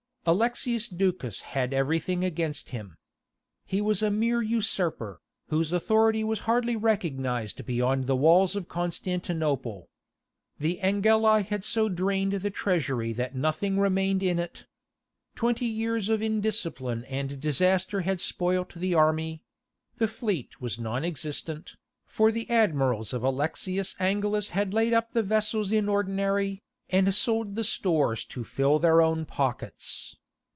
Alexius Ducas had everything against him. He was a mere usurper, whose authority was hardly recognized beyond the walls of Constantinople. The Angeli had so drained the treasury that nothing remained in it. Twenty years of indiscipline and disaster had spoilt the army; the fleet was nonexistent, for the admirals of Alexius Angelus had laid up the vessels in ordinary, and sold the stores to fill their own pockets.